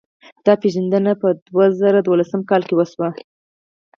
دا پېژندنه په دوه زره دولسم کال کې وشوه.